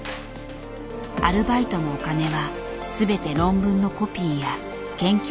アルバイトのお金は全て論文のコピーや研究